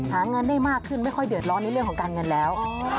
หาเงินได้มากขึ้นไม่ค่อยเดือดร้อนในเรื่องของการเงินแล้ว